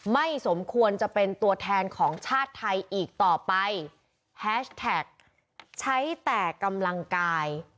ไม่สมควรจะเป็นตัวแทนของชาติไทยอีกต่อไปแฮชแท็กใช้แต่กำลังกาย